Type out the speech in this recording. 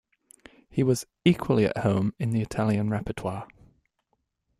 He was equally at home in the Italian repertoire.